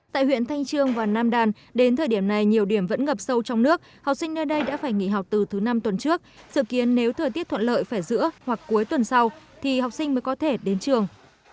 tại huyện thanh trương và nam đàn đến thời điểm này nhiều điểm vẫn ngập sâu trong nước học sinh nơi đây đã phải nghỉ học từ thứ năm tuần trước sự kiến nếu thời tiết thuận lợi phải giữa hoặc cuối tuần sau thì học sinh mới có thể đến trường